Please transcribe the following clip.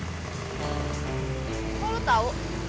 kok lu tau